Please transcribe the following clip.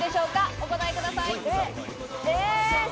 お答えください。